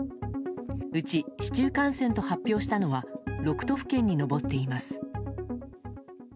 うち市中感染と発表したのは６都府県に上っています。